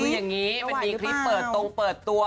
คืออย่างนี้มันมีคลิปเปิดตรงเปิดตัว